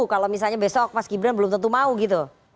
kalau misalnya besok mas gibran belum tentu mau gitu